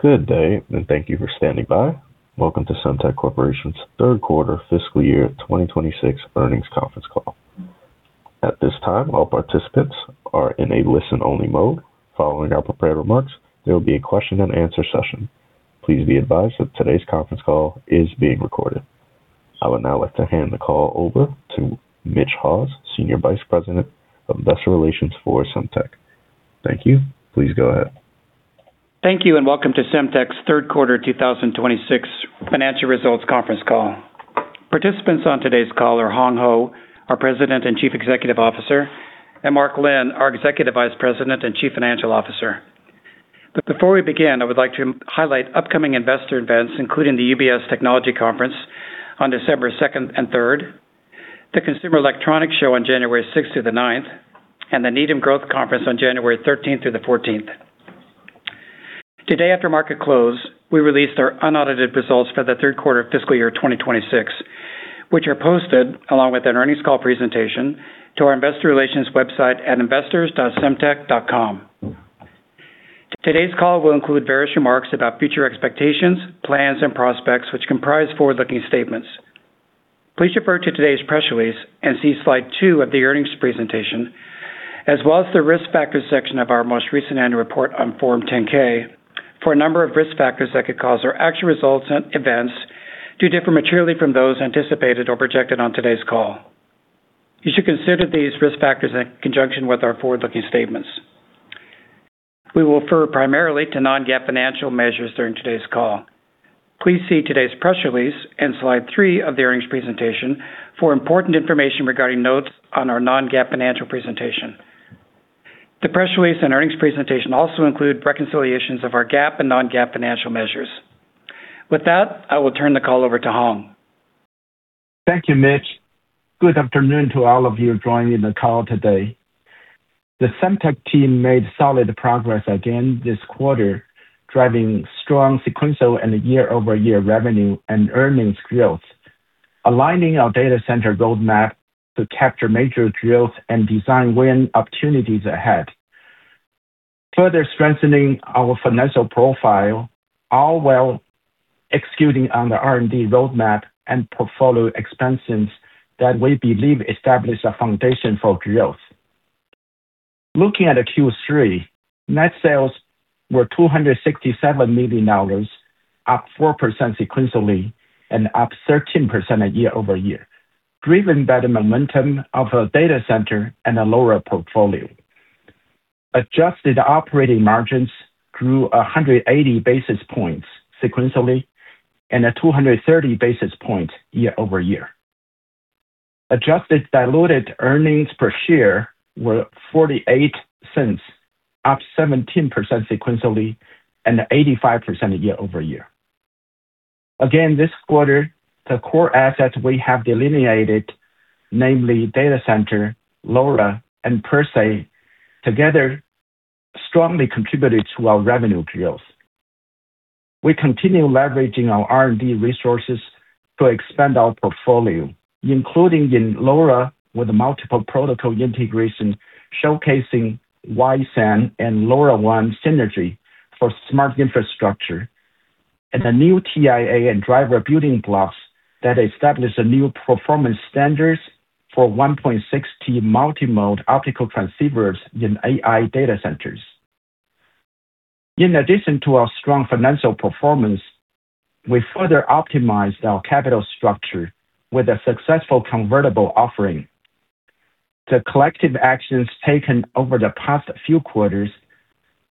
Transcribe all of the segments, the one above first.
Good day, and thank you for standing by. Welcome to Semtech Corporation's third quarter fiscal year 2026 earnings conference call. At this time, all participants are in a listen-only mode. Following our prepared remarks, there will be a question-and-answer session. Please be advised that today's conference call is being recorded. I would now like to hand the call over to Mitch Haws, Senior Vice President of Investor Relations for Semtech. Thank you. Please go ahead. Thank you, and welcome to Semtech's third quarter 2026 financial results conference call. Participants on today's call are Hong Hou, our President and Chief Executive Officer, and Mark Lin, our Executive Vice President and Chief Financial Officer. Before we begin, I would like to highlight upcoming investor events, including the UBS Technology Conference on December 2nd and 3rd, the Consumer Electronics Show on January 6th through the 9th, and the Needham Growth Conference on January 13th through the 14th. Today, after market close, we released our unaudited results for the third quarter of fiscal year 2026, which are posted along with an earnings call presentation to our investor relations website at investors.semtech.com. Today's call will include various remarks about future expectations, plans, and prospects, which comprise forward-looking statements. Please refer to today's press release and see slide two of the earnings presentation, as well as the risk factors section of our most recent annual report on Form 10-K for a number of risk factors that could cause our actual results and events to differ materially from those anticipated or projected on today's call. You should consider these risk factors in conjunction with our forward-looking statements. We will refer primarily to non-GAAP financial measures during today's call. Please see today's press release and slide three of the earnings presentation for important information regarding notes on our non-GAAP financial presentation. The press release and earnings presentation also include reconciliations of our GAAP and non-GAAP financial measures. With that, I will turn the call over to Hong. Thank you, Mitch. Good afternoon to all of you joining the call today. The Semtech team made solid progress again this quarter, driving strong sequential and year-over-year revenue and earnings growth, aligning our data center roadmap to capture major growth and design win opportunities ahead, further strengthening our financial profile, all while executing on the R&D roadmap and portfolio expansions that we believe establish a foundation for growth. Looking at Q3, net sales were $267 million, up 4% sequentially and up 13% year-over-year, driven by the momentum of a data center and a LoRa portfolio. Adjusted operating margins grew 180 basis points sequentially and 230 basis points year-over-year. Adjusted diluted earnings per share were $0.48, up 17% sequentially and 85% year-over-year. Again, this quarter, the core assets we have delineated, namely data center, LoRa, and PerSe, together strongly contributed to our revenue growth. We continue leveraging our R&D resources to expand our portfolio, including in LoRa with multiple protocol integration, showcasing YSAN and LoRaWAN synergy for smart infrastructure, and a new TIA and driver building blocks that establish new performance standards for 1.6 Tbps multimode optical transceivers in AI data centers. In addition to our strong financial performance, we further optimized our capital structure with a successful convertible offering. The collective actions taken over the past few quarters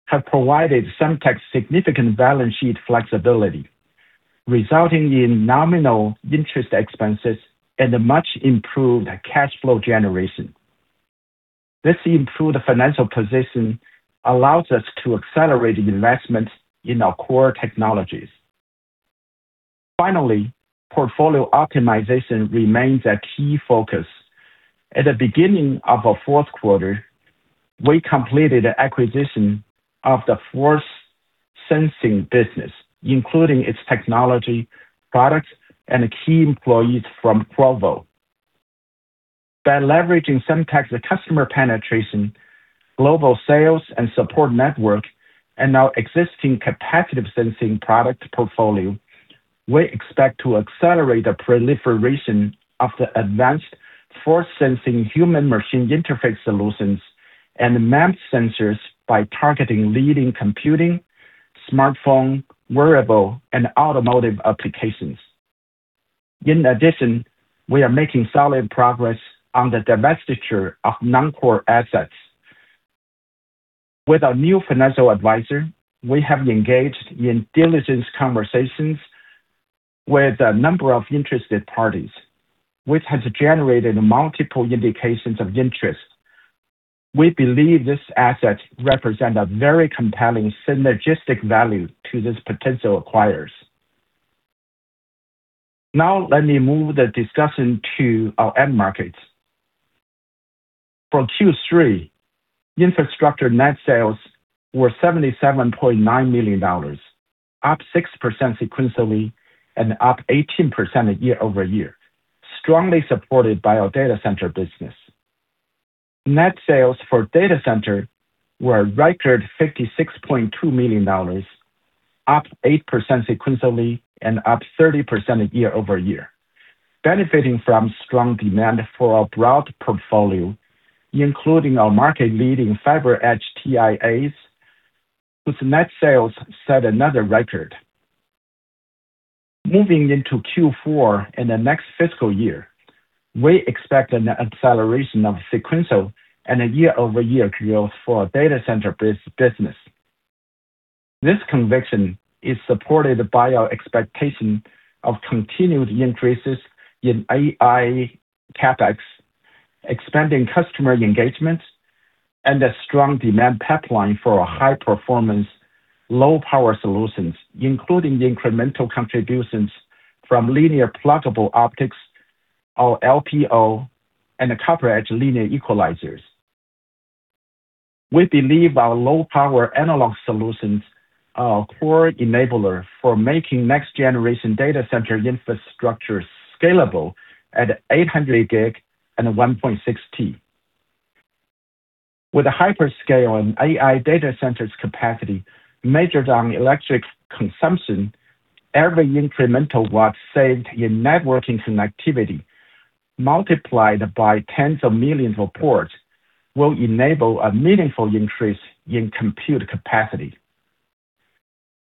have provided Semtech significant balance sheet flexibility, resulting in nominal interest expenses and a much-improved cash flow generation. This improved financial position allows us to accelerate investments in our core technologies. Finally, portfolio optimization remains a key focus. At the beginning of our fourth quarter, we completed the acquisition of the Force Sensing business, including its technology products and key employees from Provo. By leveraging Semtech's customer penetration, global sales, and support network, and our existing capacitive sensing product portfolio, we expect to accelerate the proliferation of the advanced force sensing human-machine interface solutions and MAMP sensors by targeting leading computing, smartphone, wearable, and automotive applications. In addition, we are making solid progress on the divestiture of non-core assets. With our new financial advisor, we have engaged in diligence conversations with a number of interested parties, which has generated multiple indications of interest. We believe this asset represents a very compelling synergistic value to this potential acquirers. Now, let me move the discussion to our end markets. For Q3, infrastructure net sales were $77.9 million, up 6% sequentially and up 18% year-over-year, strongly supported by our data center business. Net sales for data center were a record $56.2 million, up 8% sequentially and up 30% year-over-year, benefiting from strong demand for our broad portfolio, including our market-leading FiberEdge TIAs, whose net sales set another record. Moving into Q4 and the next fiscal year, we expect an acceleration of sequential and year-over-year growth for our data center business. This conviction is supported by our expectation of continued increases in AI CapEx, expanding customer engagement, and a strong demand pipeline for our high-performance, low-power solutions, including incremental contributions from linear pluggable optics, our LPO, and CopperEdge linear equalizers. We believe our low-power analog solutions are a core enabler for making next-generation data center infrastructure scalable at 800 Gb and 1.6 Tb. With a hyperscale and AI data center's capacity measured on electric consumption, every incremental watt saved in networking connectivity, multiplied by tens of millions of ports, will enable a meaningful increase in compute capacity.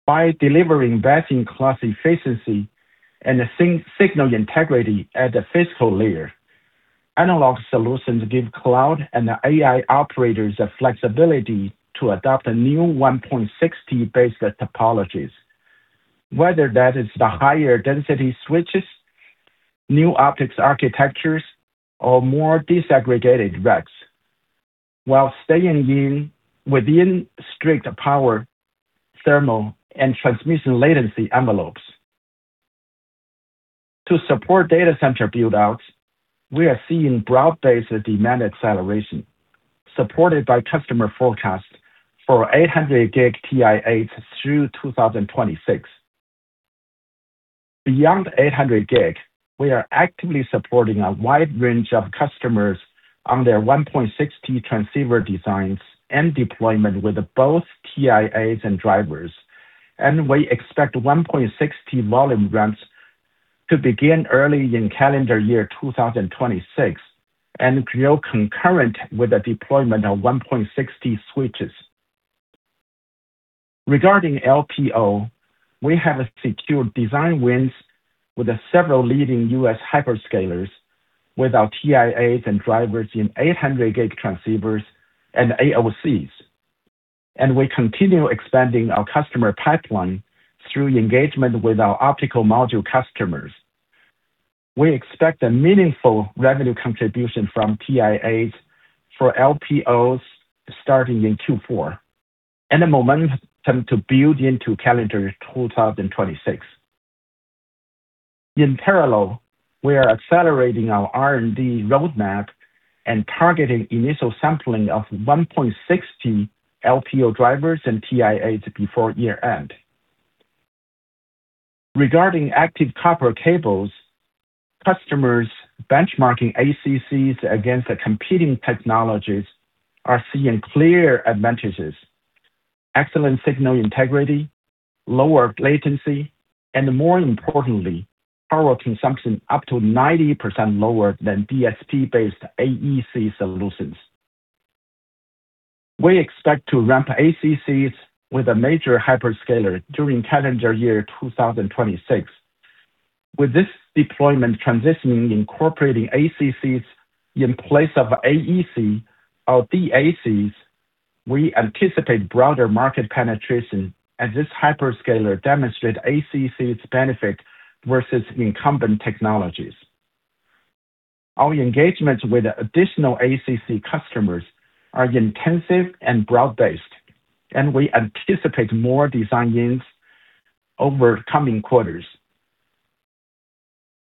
By delivering vacuum cost efficiency and signal integrity at the physical layer, analog solutions give cloud and AI operators the flexibility to adopt new 1.6 Tb-based topologies, whether that is the higher density switches, new optics architectures, or more disaggregated racks, while staying within strict power, thermal, and transmission latency envelopes. To support data center buildouts, we are seeing broad-based demand acceleration, supported by customer forecasts for 800 Gb TIAs through 2026. Beyond 800 Gb, we are actively supporting a wide range of customers on their 1.6 Tb transceiver designs and deployment with both TIAs and drivers, and we expect 1.6 Tb volume runs to begin early in calendar year 2026 and grow concurrent with the deployment of 1.6 Tb switches. Regarding LPO, we have secured design wins with several leading U.S. hyperscalers with our TIAs and drivers in 800 Gb transceivers and AOCs, and we continue expanding our customer pipeline through engagement with our optical module customers. We expect a meaningful revenue contribution from TIAs for LPOs starting in Q4 and a momentum to build into calendar 2026. In parallel, we are accelerating our R&D roadmap and targeting initial sampling of 1.6 Tb LPO drivers and TIAs before year-end. Regarding active copper cables, customers benchmarking ACCs against the competing technologies are seeing clear advantages: excellent signal integrity, lower latency, and more importantly, power consumption up to 90% lower than DSP-based AEC solutions. We expect to ramp ACCs with a major hyperscaler during calendar year 2026. With this deployment transitioning, incorporating ACCs in place of AEC or DACs, we anticipate broader market penetration, as this hyperscaler demonstrates ACCs' benefit versus incumbent technologies. Our engagements with additional ACC customers are intensive and broad-based, and we anticipate more design wins over the coming quarters.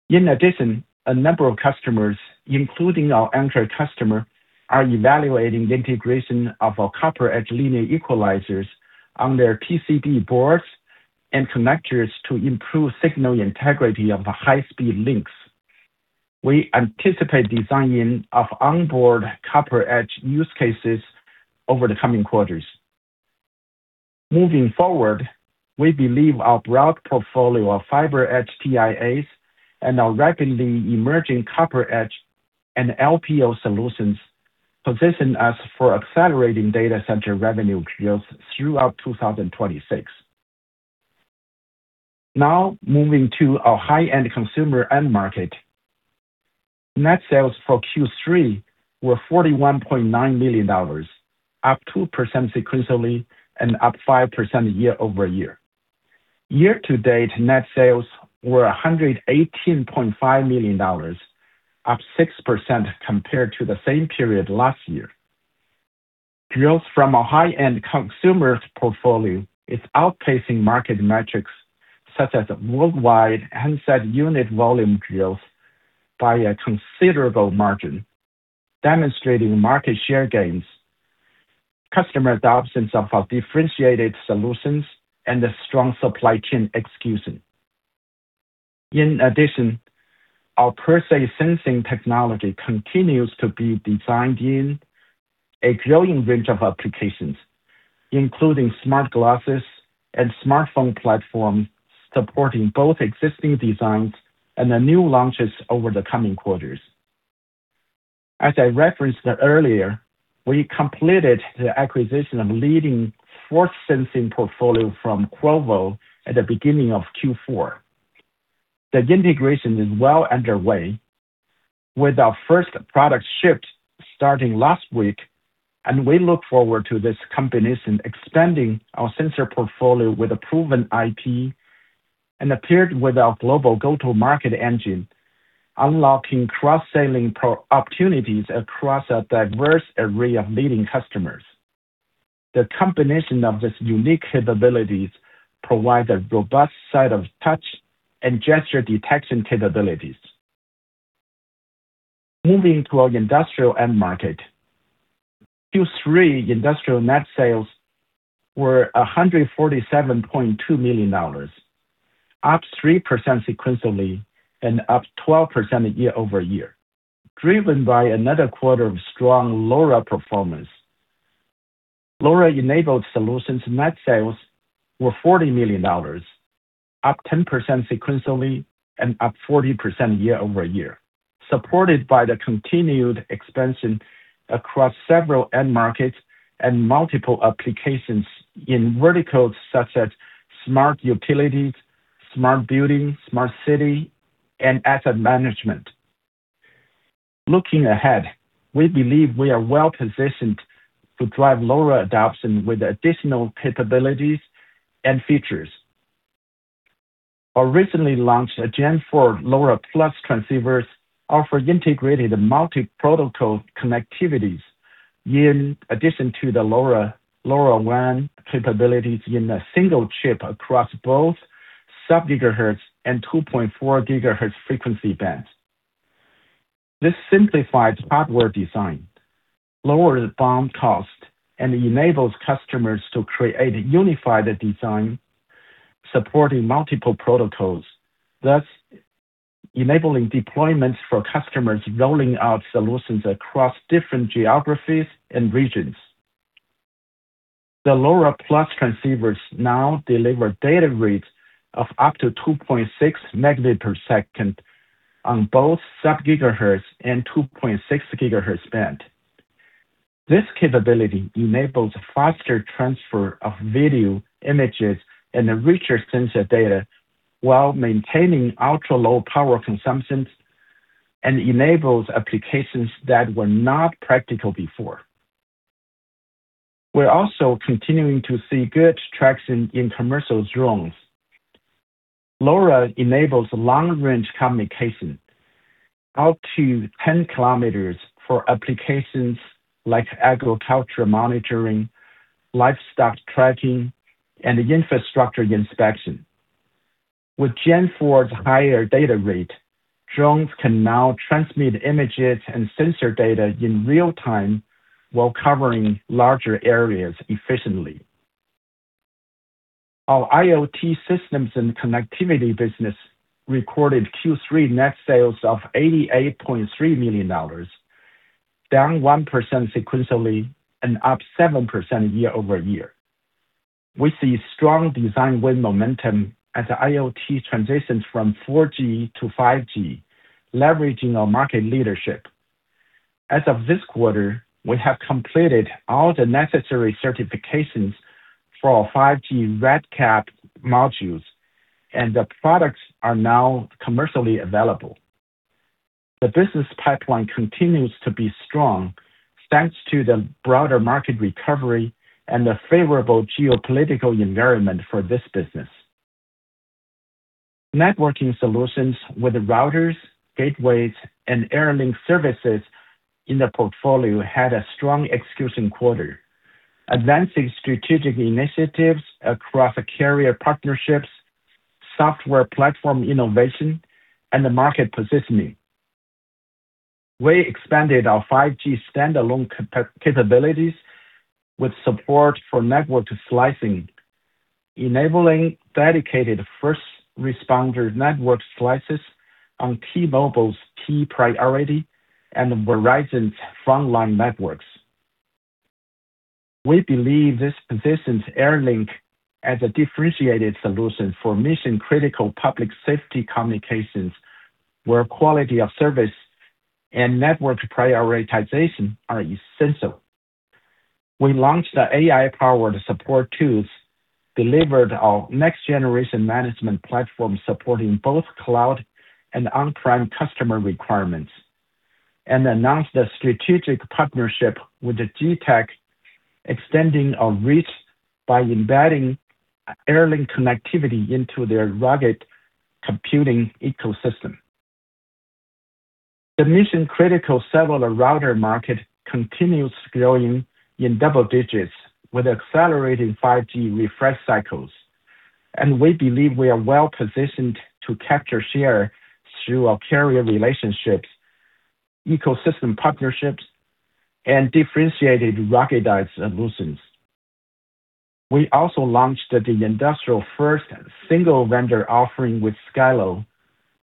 In addition, a number of customers, including our anchor customer, are evaluating the integration of our CopperEdge linear equalizers on their PCB boards and connectors to improve signal integrity of high-speed links. We anticipate design wins of onboard CopperEdge use cases over the coming quarters. Moving forward, we believe our broad portfolio of FiberEdge TIAs and our rapidly emerging CopperEdge and LPO solutions position us for accelerating data center revenue growth throughout 2026. Now, moving to our high-end consumer end market. Net sales for Q3 were $41.9 million, up 2% sequentially and up 5% year-over-year. Year-to-date, net sales were $118.5 million, up 6% compared to the same period last year. Growth from a high-end consumer portfolio is outpacing market metrics such as worldwide handset unit volume growth by a considerable margin, demonstrating market share gains, customer adoptions of our differentiated solutions, and a strong supply chain execution. In addition, our PerSe sensing technology continues to be designed in a growing range of applications, including smart glasses and smartphone platforms supporting both existing designs and the new launches over the coming quarters. As I referenced earlier, we completed the acquisition of leading Force Sensing portfolio from Qorvo at the beginning of Q4. The integration is well underway, with our first product shipped starting last week, and we look forward to this combination expanding our sensor portfolio with a proven IP and paired with our global go-to-market engine, unlocking cross-selling opportunities across a diverse array of leading customers. The combination of these unique capabilities provides a robust set of touch and gesture detection capabilities. Moving to our industrial end market. Q3 industrial net sales were $147.2 million, up 3% sequentially and up 12% year-over-year, driven by another quarter of strong LoRa performance. LoRa-enabled solutions net sales were $40 million, up 10% sequentially and up 40% year-over-year, supported by the continued expansion across several end markets and multiple applications in verticals such as smart utilities, smart building, smart city, and asset management. Looking ahead, we believe we are well-positioned to drive LoRa adoption with additional capabilities and features. Our recently launched Gen 4 LoRa Plus transceivers offer integrated multi-protocol connectivities in addition to the LoRaWAN capabilities in a single chip across both sub-gigahertz and 2.4 GHz frequency bands. This simplifies hardware design, lowers BOM cost, and enables customers to create unified design supporting multiple protocols, thus enabling deployments for customers rolling out solutions across different geographies and regions. The LoRa+ transceivers now deliver data rates of up to 2.6 Mbps on both sub-gigahertz and 2.4 GHz band. This capability enables faster transfer of video, images, and richer sensor data while maintaining ultra-low power consumptions and enables applications that were not practical before. We're also continuing to see good traction in commercial drones. LoRa enables long-range communication, up to 10 kilometers, for applications like agriculture monitoring, livestock tracking, and infrastructure inspection. With Gen 4's higher data rate, drones can now transmit images and sensor data in real time while covering larger areas efficiently. Our IoT systems and connectivity business recorded Q3 net sales of $88.3 million, down 1% sequentially and up 7% year-over-year. We see strong design win momentum as IoT transitions from 4G to 5G, leveraging our market leadership. As of this quarter, we have completed all the necessary certifications for our 5G RedCap modules, and the products are now commercially available. The business pipeline continues to be strong thanks to the broader market recovery and the favorable geopolitical environment for this business. Networking solutions with routers, gateways, and AirLink services in the portfolio had a strong excusing quarter, advancing strategic initiatives across carrier partnerships, software platform innovation, and market positioning. We expanded our 5G standalone capabilities with support for network slicing, enabling dedicated first responder network slices on T-Mobile's T-Priority and Verizon's Frontline networks. We believe this positions AirLink as a differentiated solution for mission-critical public safety communications where quality of service and network prioritization are essential. We launched the AI-powered support tools, delivered our next-generation management platform supporting both cloud and on-prem customer requirements, and announced a strategic partnership with Getac, extending our reach by embedding AirLink connectivity into their rugged computing ecosystem. The mission-critical cellular router market continues growing in double digits with accelerating 5G refresh cycles, and we believe we are well-positioned to capture share through our carrier relationships, ecosystem partnerships, and differentiated ruggedized solutions. We also launched the industry-first single vendor offering with Skylo,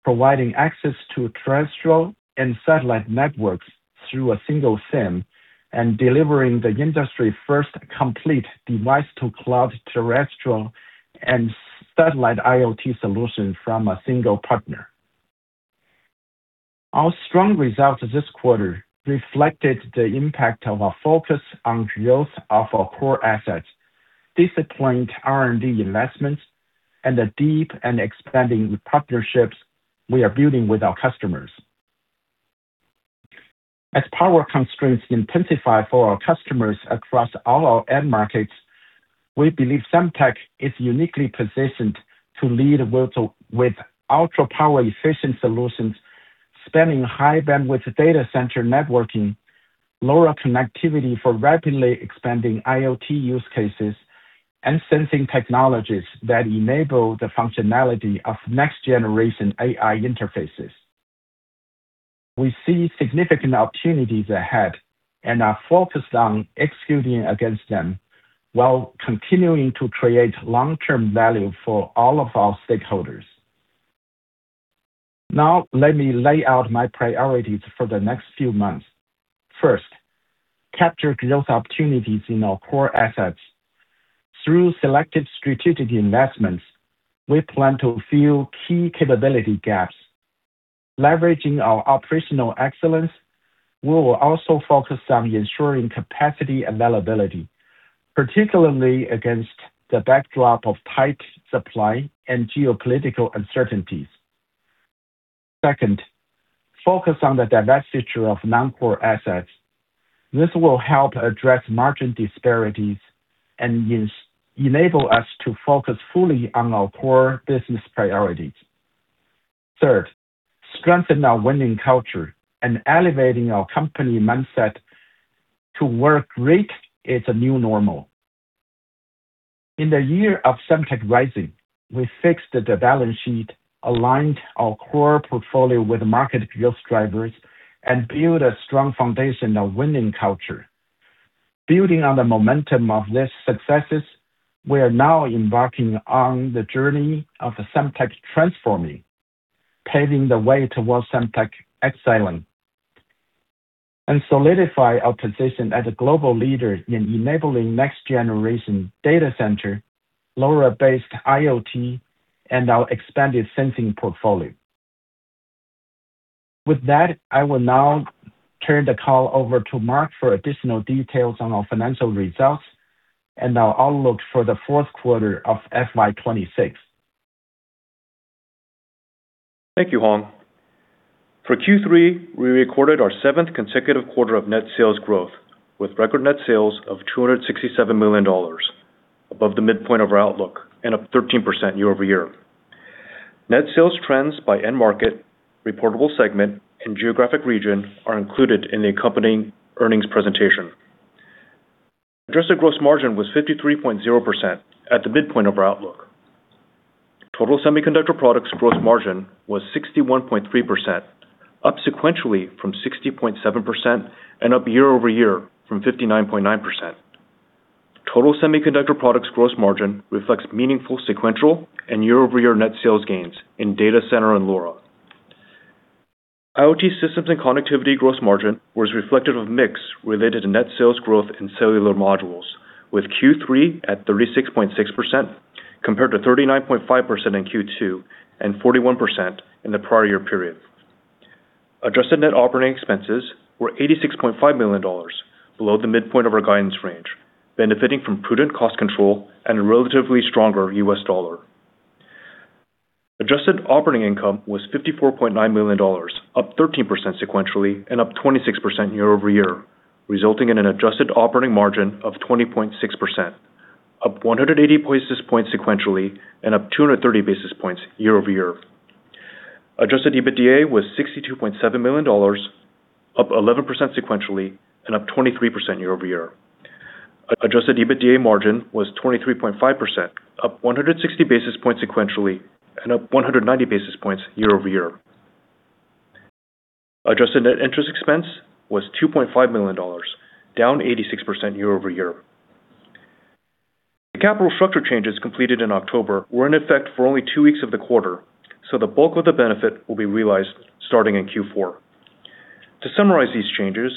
providing access to terrestrial and satellite networks through a single SIM and delivering the industry-first complete device-to-cloud terrestrial and satellite IoT solution from a single partner. Our strong results this quarter reflected the impact of our focus on growth of our core assets, disciplined R&D investments, and the deep and expanding partnerships we are building with our customers. As power constraints intensify for our customers across all our end markets, we believe Semtech is uniquely positioned to lead with ultra-power-efficient solutions, spanning high-bandwidth data center networking, LoRa connectivity for rapidly expanding IoT use cases, and sensing technologies that enable the functionality of next-generation AI interfaces. We see significant opportunities ahead and are focused on executing against them while continuing to create long-term value for all of our stakeholders. Now, let me lay out my priorities for the next few months. First, capture growth opportunities in our core assets. Through selective strategic investments, we plan to fill key capability gaps. Leveraging our operational excellence, we will also focus on ensuring capacity availability, particularly against the backdrop of tight supply and geopolitical uncertainties. Second, focus on the diverse future of non-core assets. This will help address margin disparities and enable us to focus fully on our core business priorities. Third, strengthen our winning culture and elevating our company mindset to where great is a new normal. In the year of Semtech Rising, we fixed the balance sheet, aligned our core portfolio with market growth drivers, and built a strong foundation of winning culture. Building on the momentum of these successes, we are now embarking on the journey of Semtech Transforming, paving the way towards Semtech Excelling, and solidifying our position as a global leader in enabling next-generation data center, LoRa-based IoT, and our expanded sensing portfolio. With that, I will now turn the call over to Mark for additional details on our financial results and our outlook for the fourth quarter of FY2026. Thank you, Hong. For Q3, we recorded our seventh consecutive quarter of net sales growth, with record net sales of $267 million, above the midpoint of our outlook and up 13% year-over-year. Net sales trends by end market, reportable segment, and geographic region are included in the accompanying earnings presentation. Addressed gross margin was 53.0% at the midpoint of our outlook. Total semiconductor products gross margin was 61.3%, up sequentially from 60.7% and up year-over-year from 59.9%. Total semiconductor products gross margin reflects meaningful sequential and year-over-year net sales gains in data center and LoRa. IoT systems and connectivity gross margin was reflective of mix related to net sales growth in cellular modules, with Q3 at 36.6% compared to 39.5% in Q2 and 41% in the prior year period. Adjusted net operating expenses were $86.5 million, below the midpoint of our guidance range, benefiting from prudent cost control and a relatively stronger U.S. dollar. Adjusted operating income was $54.9 million, up 13% sequentially and up 26% year-over-year, resulting in an adjusted operating margin of 20.6%, up 180 basis points sequentially and up 230 basis points year-over-year. Adjusted EBITDA was $62.7 million, up 11% sequentially and up 23% year-over-year. Adjusted EBITDA margin was 23.5%, up 160 basis points sequentially and up 190 basis points year-over-year. Adjusted net interest expense was $2.5 million, down 86% year-over-year. The capital structure changes completed in October were in effect for only two weeks of the quarter, so the bulk of the benefit will be realized starting in Q4. To summarize these changes,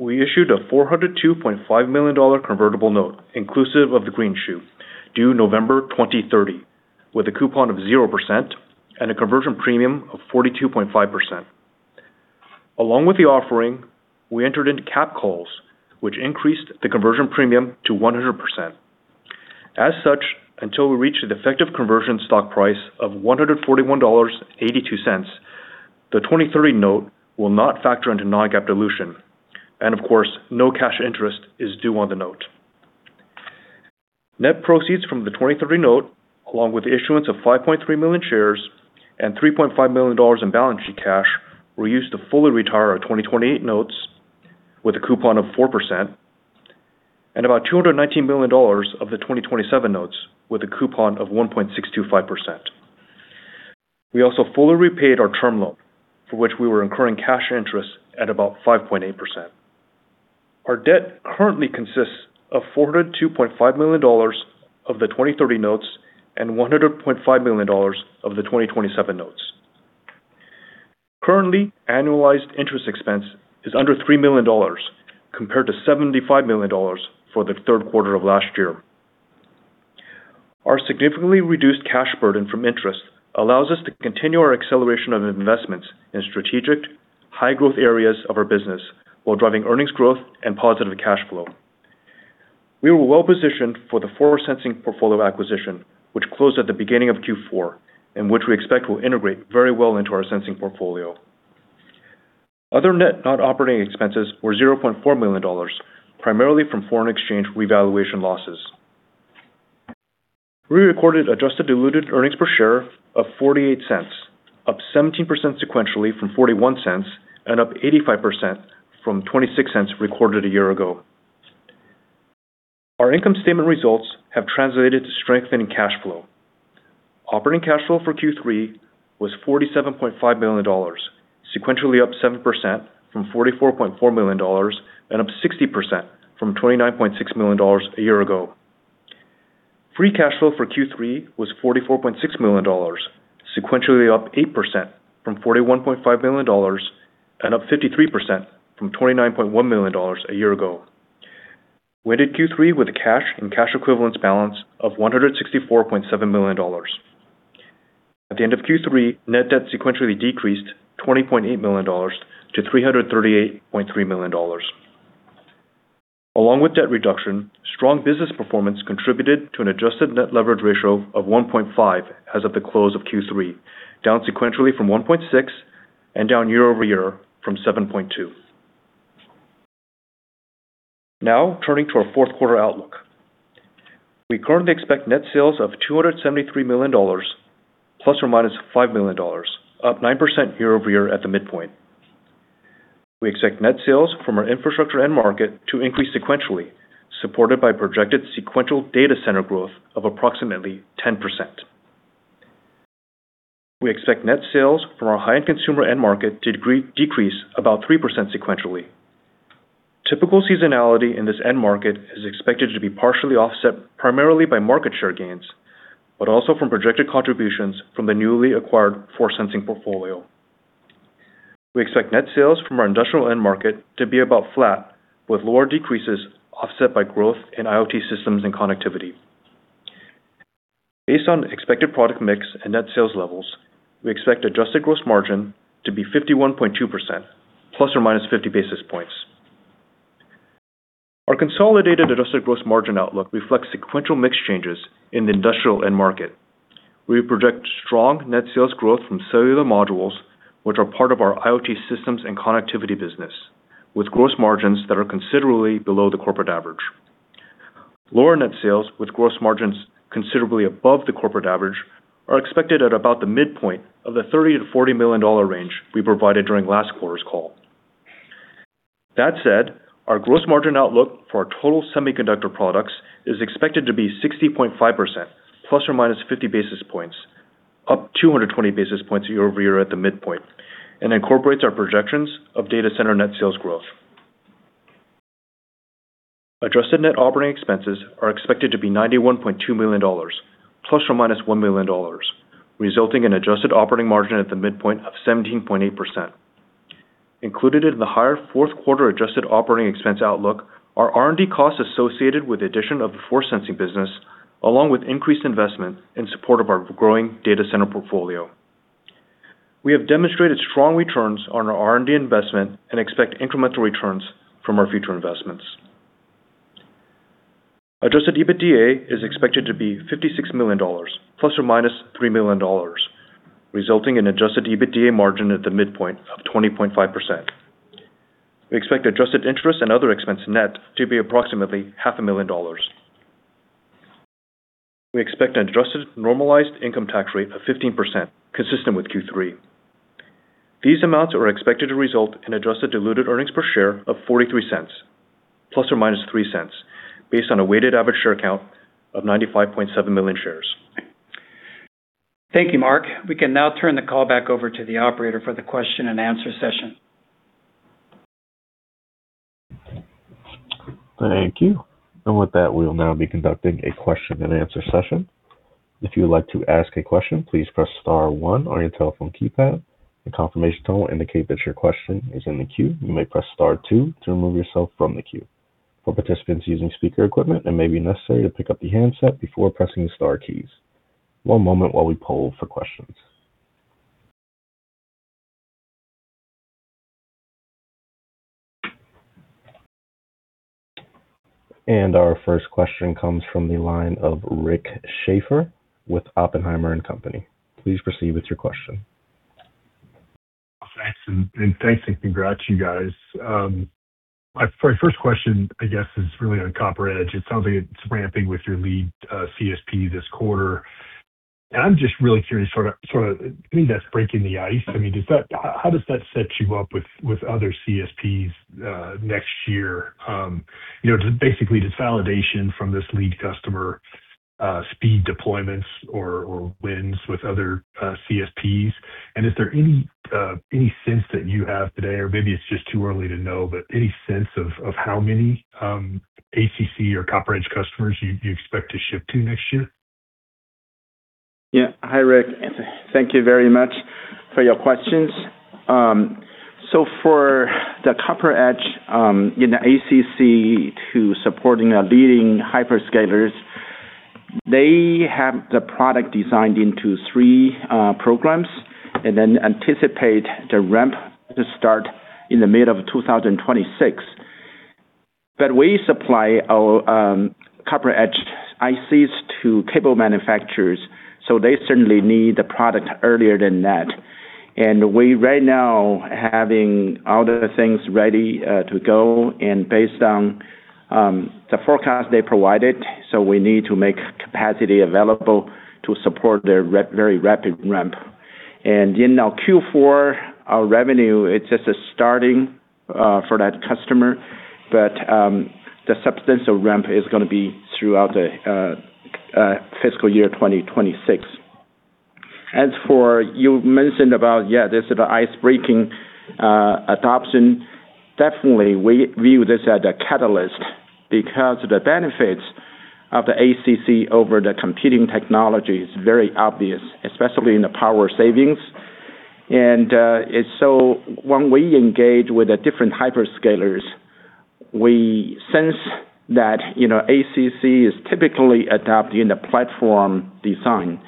we issued a $402.5 million convertible note, inclusive of the green shoe, due November 2030, with a coupon of 0% and a conversion premium of 42.5%. Along with the offering, we entered into cap calls, which increased the conversion premium to 100%. As such, until we reach the effective conversion stock price of $141.82, the 2030 note will not factor into non-cap dilution, and of course, no cash interest is due on the note. Net proceeds from the 2030 note, along with the issuance of 5.3 million shares and $3.5 million in balance sheet cash, were used to fully retire our 2028 notes with a coupon of 4%, and about $219 million of the 2027 notes with a coupon of 1.625%. We also fully repaid our term loan, for which we were incurring cash interest at about 5.8%. Our debt currently consists of $402.5 million of the 2030 notes and $100.5 million of the 2027 notes. Currently, annualized interest expense is under $3 million compared to $75 million for the third quarter of last year. Our significantly reduced cash burden from interest allows us to continue our acceleration of investments in strategic, high-growth areas of our business while driving earnings growth and positive cash flow. We were well-positioned for the Force Sensing portfolio acquisition, which closed at the beginning of Q4, and which we expect will integrate very well into our sensing portfolio. Other net non-operating expenses were $0.4 million, primarily from foreign exchange revaluation losses. We recorded adjusted diluted earnings per share of $0.48, up 17% sequentially from $0.41 and up 85% from $0.26 recorded a year ago. Our income statement results have translated to strengthening cash flow. Operating cash flow for Q3 was $47.5 million, sequentially up 7% from $44.4 million and up 60% from $29.6 million a year ago. Free cash flow for Q3 was $44.6 million, sequentially up 8% from $41.5 million and up 53% from $29.1 million a year ago. We ended Q3 with a cash and cash equivalents balance of $164.7 million. At the end of Q3, net debt sequentially decreased $20.8 million to $338.3 million. Along with debt reduction, strong business performance contributed to an adjusted net leverage ratio of 1.5 as of the close of Q3, down sequentially from 1.6 and down year-over-year from 7.2. Now, turning to our fourth quarter outlook, we currently expect net sales of $273 million, ±$5 million, up 9% year-over-year at the midpoint. We expect net sales from our infrastructure end market to increase sequentially, supported by projected sequential data center growth of approximately 10%. We expect net sales from our high-end consumer end market to decrease about 3% sequentially. Typical seasonality in this end market is expected to be partially offset primarily by market share gains, but also from projected contributions from the newly acquired force sensing portfolio. We expect net sales from our industrial end market to be about flat, with lower decreases offset by growth in IoT systems and connectivity. Based on expected product mix and net sales levels, we expect adjusted gross margin to be 51.2%, ±50 basis points. Our consolidated adjusted gross margin outlook reflects sequential mix changes in the industrial end market. We project strong net sales growth from cellular modules, which are part of our IoT systems and connectivity business, with gross margins that are considerably below the corporate average. Lower net sales with gross margins considerably above the corporate average are expected at about the midpoint of the $30 million-$40 million range we provided during last quarter's call. That said, our gross margin outlook for our total semiconductor products is expected to be 60.5%, ±50 basis points, up 220 basis points year-over-year at the midpoint, and incorporates our projections of data center net sales growth. Adjusted net operating expenses are expected to be $91.2 million, ±$1 million, resulting in adjusted operating margin at the midpoint of 17.8%. Included in the higher fourth quarter adjusted operating expense outlook are R&D costs associated with the addition of the forward sensing business, along with increased investment in support of our growing data center portfolio. We have demonstrated strong returns on our R&D investment and expect incremental returns from our future investments. Adjusted EBITDA is expected to be $56 million, ±$3 million, resulting in adjusted EBITDA margin at the midpoint of 20.5%. We expect adjusted interest and other expense net to be approximately $500,000. We expect an adjusted normalized income tax rate of 15%, consistent with Q3. These amounts are expected to result in adjusted diluted earnings per share of $0.43, ±$0.03, based on a weighted average share count of 95.7 million shares. Thank you, Mark. We can now turn the call back over to the operator for the question and answer session. Thank you. With that, we will now be conducting a question and answer session. If you would like to ask a question, please press star one on your telephone keypad. The confirmation tone will indicate that your question is in the queue. You may press star two to remove yourself from the queue. For participants using speaker equipment, it may be necessary to pick up the handset before pressing the star keys. One moment while we poll for questions. Our first question comes from the line of Rick Schafer with Oppenheimer & Co. Please proceed with your question. Thanks and congrats, you guys. My first question, I guess, is really on CopperEdge. It sounds like it's ramping with your lead CSP this quarter. I'm just really curious, sort of, I think that's breaking the ice. I mean, how does that set you up with other CSPs next year? Basically, just validation from this lead customer, speed deployments, or wins with other CSPs. Is there any sense that you have today, or maybe it's just too early to know, but any sense of how many ACC or CopperEdge customers you expect to ship to next year? Yeah. Hi, Rick. Thank you very much for your questions. For the CopperEdge and the ACC to supporting our leading hyperscalers, they have the product designed into three programs and then anticipate the ramp to start in the mid of 2026. We supply our CopperEdge ICs to cable manufacturers, so they certainly need the product earlier than that. We right now are having all the things ready to go and based on the forecast they provided, so we need to make capacity available to support their very rapid ramp. In Q4, our revenue, it's just starting for that customer, but the substantial ramp is going to be throughout the fiscal year 2026. As for you mentioned about, yeah, this is the ice-breaking adoption, definitely we view this as a catalyst because the benefits of the ACC over the competing technology is very obvious, especially in the power savings. When we engage with the different hyperscalers, we sense that ACC is typically adopting the platform design.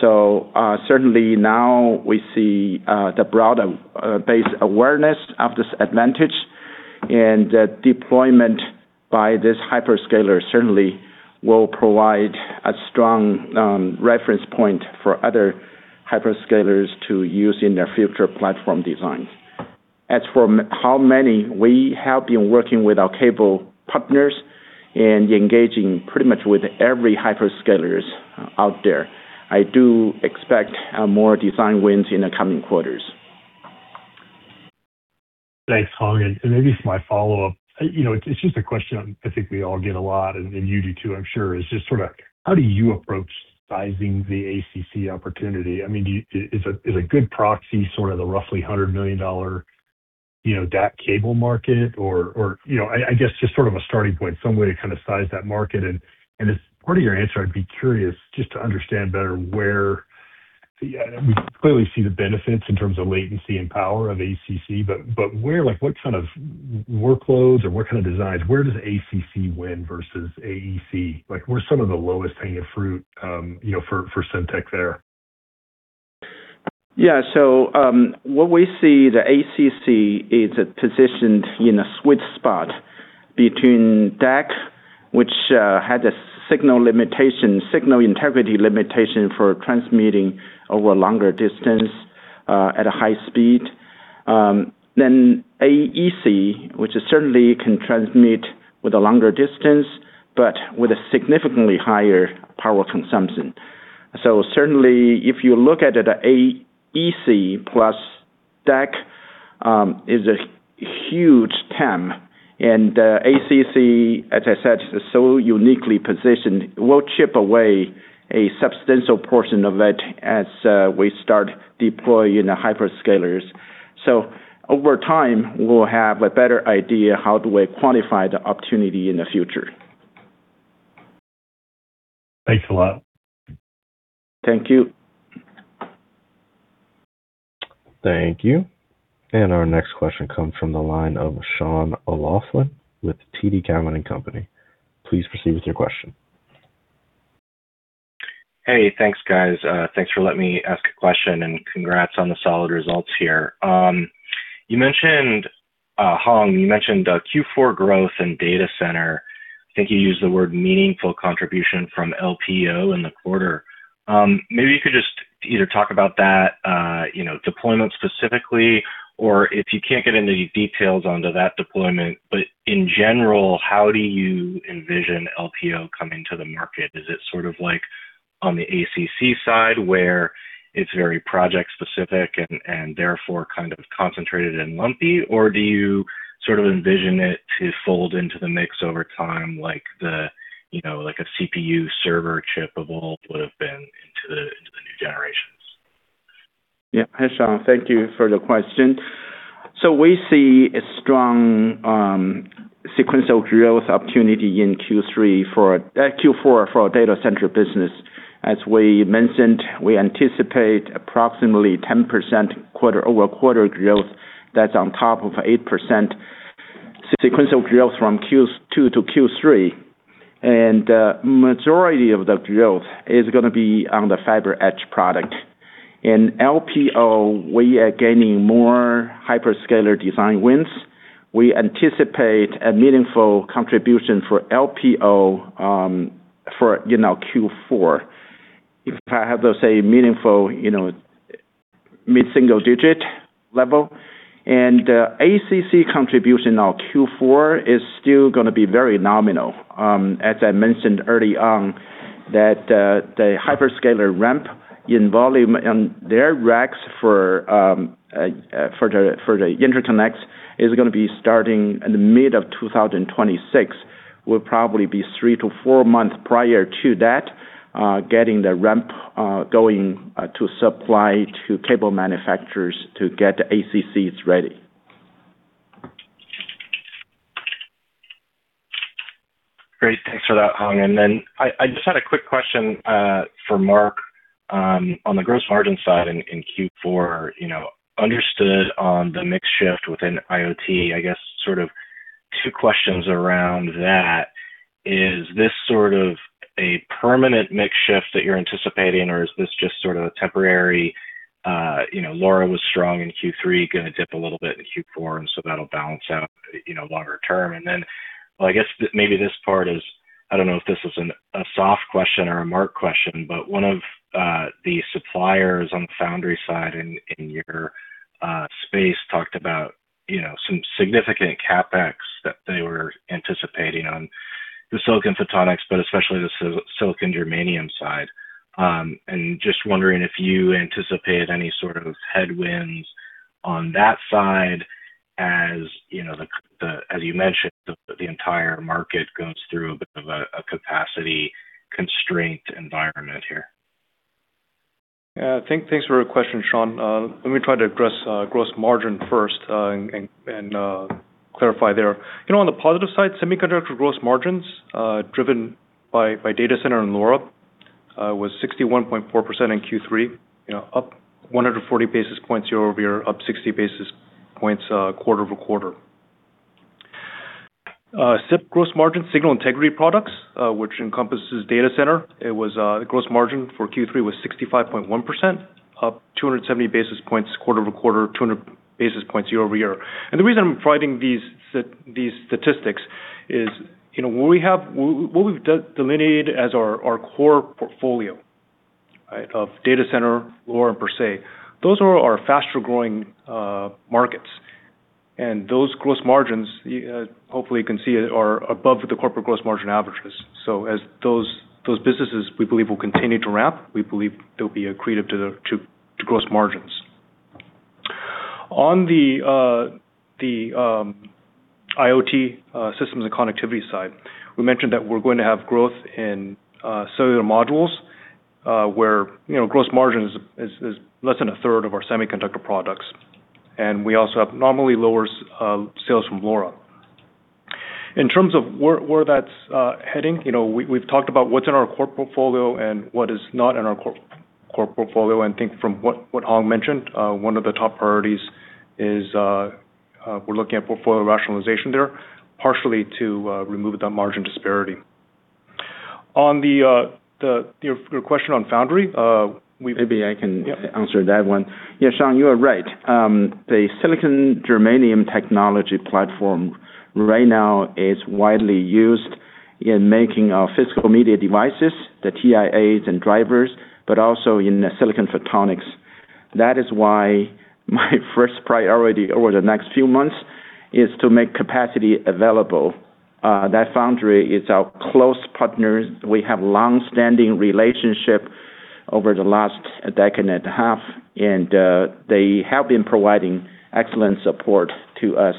Certainly now we see the broader base awareness of this advantage and the deployment by this hyperscaler certainly will provide a strong reference point for other hyperscalers to use in their future platform designs. As for how many, we have been working with our cable partners and engaging pretty much with every hyperscaler out there. I do expect more design wins in the coming quarters. Thanks, Hong. Maybe it's my follow-up. It's just a question I think we all get a lot, and you do too, I'm sure, is just sort of how do you approach sizing the ACC opportunity? I mean, is a good proxy sort of the roughly $100 million DAC cable market, or I guess just sort of a starting point, some way to kind of size that market? As part of your answer, I'd be curious just to understand better where we clearly see the benefits in terms of latency and power of ACC, but what kind of workloads or what kind of designs, where does ACC win versus AEC? Where's some of the lowest hanging fruit for Semtech there? Yeah. What we see, the ACC is positioned in a sweet spot between DAC, which has a signal limitation, signal integrity limitation for transmitting over a longer distance at a high speed, then AEC, which certainly can transmit with a longer distance, but with a significantly higher power consumption. Certainly, if you look at the AEC plus DAC, it's a huge TAM. The ACC, as I said, is so uniquely positioned, we'll chip away a substantial portion of it as we start deploying the hyperscalers. Over time, we'll have a better idea how do we quantify the opportunity in the future. Thanks a lot. Thank you. Thank you. Our next question comes from the line of Sean O'Loughlin with TD Cowen and Company. Please proceed with your question. Hey, thanks, guys. Thanks for letting me ask a question and congrats on the solid results here. Hong, you mentioned Q4 growth and data center. I think you used the word meaningful contribution from LPO in the quarter. Maybe you could just either talk about that deployment specifically, or if you can't get into any details onto that deployment, but in general, how do you envision LPO coming to the market? Is it sort of like on the ACC side where it's very project-specific and therefore kind of concentrated and lumpy, or do you sort of envision it to fold into the mix over time, like a CPU server chip evolved would have been into the new generations? Yeah. Hi, Sean. Thank you for the question. We see a strong sequential growth opportunity in Q4 for our data center business. As we mentioned, we anticipate approximately 10% quarter-over-quarter growth. That's on top of 8% sequential growth from Q2 to Q3. The majority of the growth is going to be on the FiberEdge product. In LPO, we are gaining more hyperscaler design wins. We anticipate a meaningful contribution for LPO for Q4, if I have to say, meaningful mid-single digit level. The ACC contribution in Q4 is still going to be very nominal. As I mentioned early on, that the hyperscaler ramp in volume and their racks for the interconnects is going to be starting in the mid of 2026. We'll probably be three to four months prior to that, getting the ramp going to supply to cable manufacturers to get the ACCs ready. Great. Thanks for that, Hong. I just had a quick question for Mark on the gross margin side in Q4. Understood on the mix shift within IoT, I guess sort of two questions around that. Is this sort of a permanent mix shift that you're anticipating, or is this just sort of a temporary? LoRa was strong in Q3, going to dip a little bit in Q4, and so that'll balance out longer term. I guess maybe this part is, I don't know if this is a soft question or a Mark question, but one of the suppliers on the foundry side in your space talked about some significant CapEx that they were anticipating on the silicon photonics, but especially the silicon germanium side. Just wondering if you anticipate any sort of headwinds on that side as you mentioned, the entire market goes through a bit of a capacity constraint environment here. Yeah. Thanks for the question, Sean. Let me try to address gross margin first and clarify there. On the positive side, semiconductor gross margins driven by data center and LoRa was 61.4% in Q3, up 140 basis points year-over-year, up 60 basis points quarter over quarter. SIP gross margin, signal integrity products, which encompasses data center, it was gross margin for Q3 was 65.1%, up 270 basis points quarter over quarter, 200 basis points year-over-year. The reason I'm providing these statistics is what we've delineated as our core portfolio of data center, LoRa and PerSe. Those are our faster-growing markets. Those gross margins, hopefully, you can see are above the corporate gross margin averages. As those businesses, we believe, will continue to ramp, we believe there'll be accretive to gross margins. On the IoT systems and connectivity side, we mentioned that we're going to have growth in cellular modules where gross margin is less than a third of our semiconductor products. We also have normally lower sales from LoRa. In terms of where that's heading, we've talked about what's in our core portfolio and what is not in our core portfolio. I think from what Hong mentioned, one of the top priorities is we're looking at portfolio rationalization there, partially to remove that margin disparity. On your question on foundry, maybe I can answer that one. Yeah, Sean, you are right. The silicon germanium technology platform right now is widely used in making our physical media devices, the TIAs and drivers, but also in silicon photonics. That is why my first priority over the next few months is to make capacity available. That foundry is our close partner. We have a long-standing relationship over the last decade and a half, and they have been providing excellent support to us.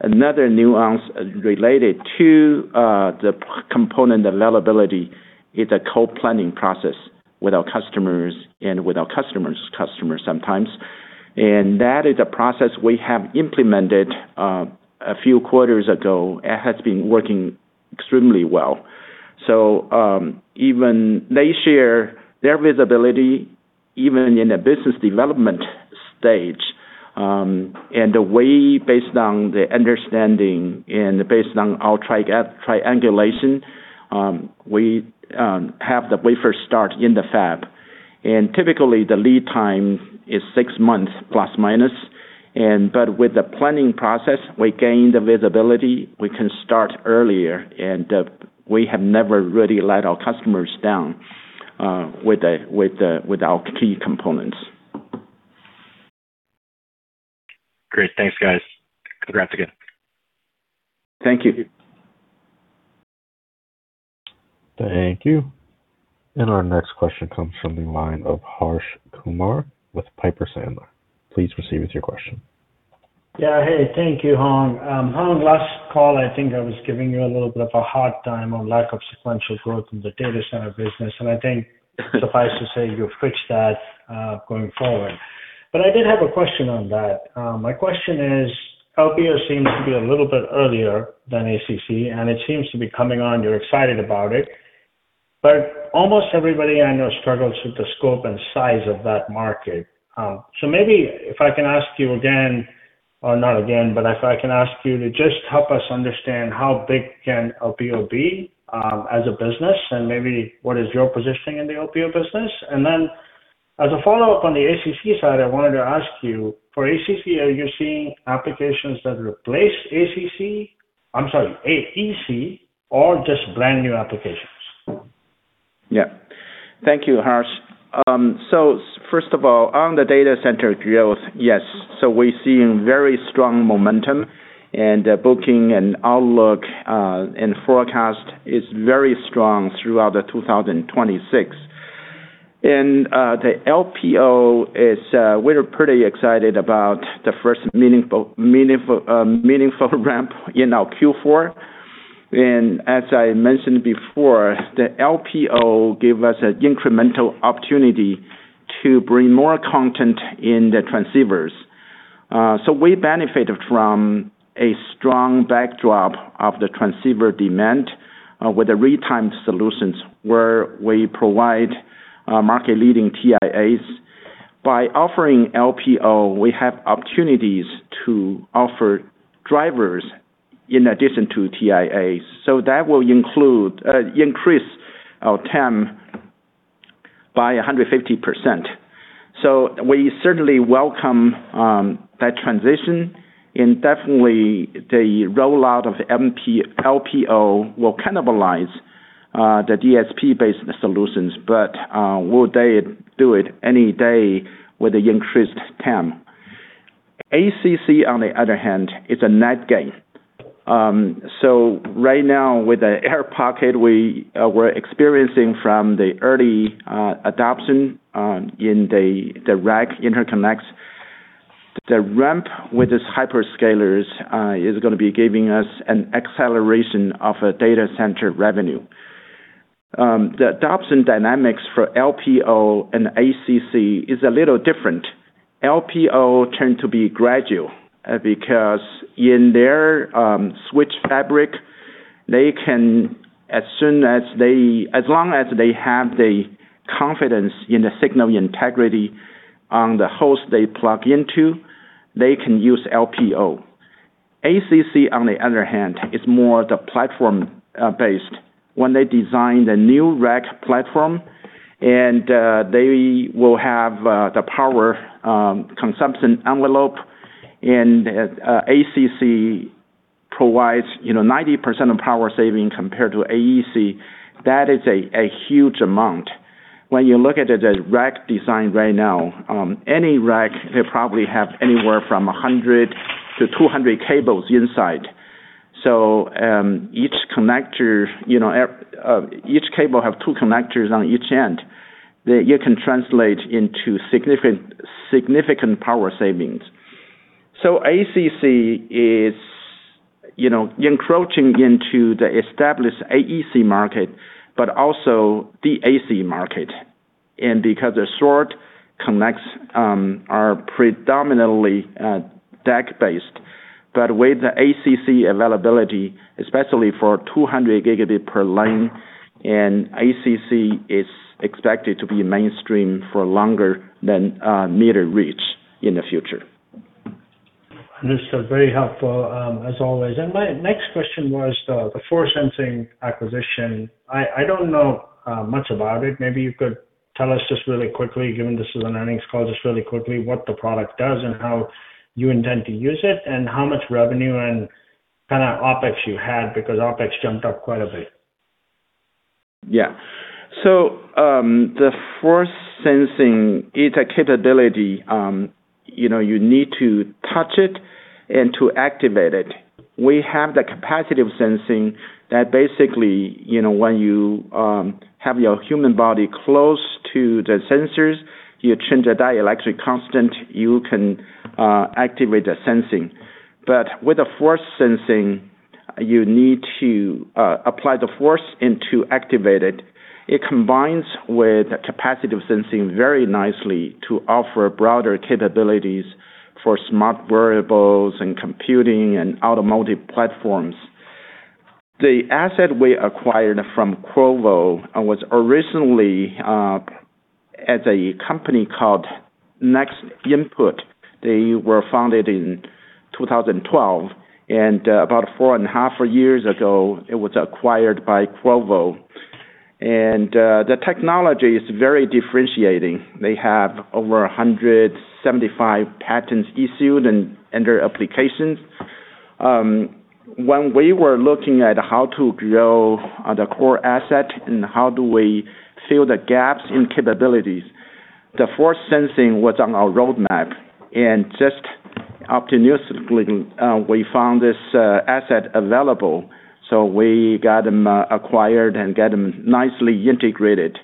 Another nuance related to the component availability is a co-planning process with our customers and with our customers' customers sometimes. That is a process we have implemented a few quarters ago. It has been working extremely well. Even they share their visibility, even in the business development stage. And based on the understanding and based on our triangulation, we have the wafer start in the fab. Typically, the lead time is six months plus minus. With the planning process, we gain the visibility. We can start earlier, and we have never really let our customers down with our key components. Great. Thanks, guys. Congrats again. Thank you. Thank you. Our next question comes from the line of Harsh Kumar with Piper Sandler. Please proceed with your question. Yeah. Hey, thank you, Hong. Hong, last call, I think I was giving you a little bit of a hard time on lack of sequential growth in the data center business. I think suffice to say you've fixed that going forward. I did have a question on that. My question is, LPO seems to be a little bit earlier than ACC, and it seems to be coming on. You're excited about it. Almost everybody I know struggles with the scope and size of that market. Maybe if I can ask you to just help us understand how big can LPO be as a business, and maybe what is your positioning in the LPO business? As a follow-up on the ACC side, I wanted to ask you, for ACC, are you seeing applications that replace ACC, I'm sorry, AEC, or just brand new applications? Yeah. Thank you, Harsh. First of all, on the data center growth, yes. We're seeing very strong momentum, and the booking and outlook and forecast is very strong throughout 2026. The LPO is we're pretty excited about the first meaningful ramp in our Q4. As I mentioned before, the LPO gave us an incremental opportunity to bring more content in the transceivers. We benefited from a strong backdrop of the transceiver demand with the retimed solutions where we provide market-leading TIAs. By offering LPO, we have opportunities to offer drivers in addition to TIAs. That will increase our TEM by 150%. We certainly welcome that transition. Definitely, the rollout of LPO will cannibalize the DSP-based solutions, but will they do it any day with the increased TEM? ACC, on the other hand, is a net gain. Right now, with the air pocket we're experiencing from the early adoption in the rack interconnects, the ramp with these hyperscalers is going to be giving us an acceleration of data center revenue. The adoption dynamics for LPO and ACC is a little different. LPO tends to be gradual because in their switch fabric, they can, as soon as they have the confidence in the signal integrity on the host they plug into, they can use LPO. ACC, on the other hand, is more the platform-based. When they design the new rack platform, and they will have the power consumption envelope, and ACC provides 90% of power saving compared to AEC, that is a huge amount. When you look at the rack design right now, any rack, they probably have anywhere from 100-200 cables inside. Each connector, each cable has two connectors on each end. You can translate into significant power savings. ACC is encroaching into the established AEC market, but also the AC market. Because the short connects are predominantly DAC-based, but with the ACC availability, especially for 200 Gb per line, ACC is expected to be mainstream for longer than meter reach in the future. This is very helpful, as always. My next question was the force-sensing acquisition. I do not know much about it. Maybe you could tell us just really quickly, given this is an earnings call, just really quickly what the product does and how you intend to use it and how much revenue and kind of OpEx you had because OpEx jumped up quite a bit. Yeah. The force-sensing, it is a capability you need to touch it and to activate it. We have the capacity of sensing that basically when you have your human body close to the sensors, you change a dielectric constant, you can activate the sensing. With the force sensing, you need to apply the force to activate it. It combines with capacitive sensing very nicely to offer broader capabilities for smart wearables and computing and automotive platforms. The asset we acquired from Qorvo was originally a company called NextInput. They were founded in 2012. About four and a half years ago, it was acquired by Qorvo. The technology is very differentiating. They have over 175 patents issued and under applications. When we were looking at how to grow the core asset and how we fill the gaps in capabilities, the force sensing was on our roadmap. Opportunistically, we found this asset available. We got them acquired and got them nicely integrated.